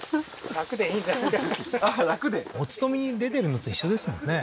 楽でお勤めに出てるのと一緒ですもんね